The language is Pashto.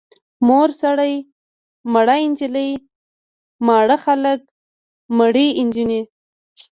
مور سړی، مړه نجلۍ، ماړه خلک، مړې نجونې.